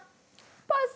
パス！